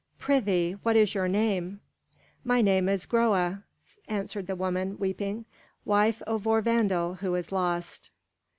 Prithee, what is your name?" "My name is Groa," answered the woman, weeping, "wife of Örvandil who is lost."